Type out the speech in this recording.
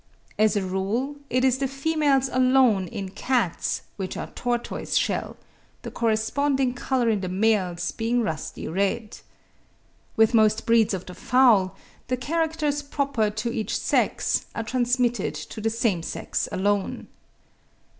As a rule, it is the females alone in cats which are tortoise shell, the corresponding colour in the males being rusty red. With most breeds of the fowl, the characters proper to each sex are transmitted to the same sex alone.